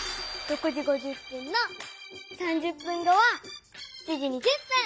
６時５０分の３０分後は７時２０分！